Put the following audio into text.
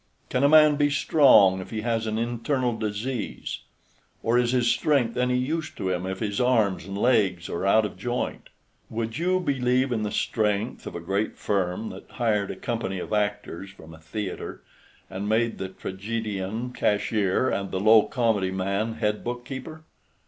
Can a man be strong if he has an internal disease, or is his strength any use to him if his arms and legs are out of joint? Would you believe in the strength of a great firm that hired a company of actors from a theatre, and made the tragedian cashier and the low comedy man head book keeper?